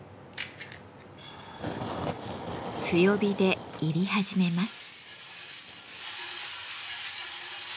強火で煎り始めます。